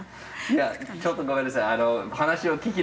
いやちょっとごめんなさい。